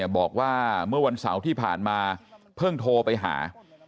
บอกว่าเมื่อวันเสาร์ที่ผ่านมาเพิ่งโทรไปหา